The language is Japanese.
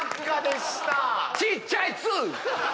ちっちゃいつ！